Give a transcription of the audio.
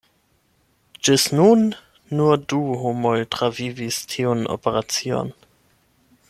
Ĝis nun nur du homoj travivis tiun operacion!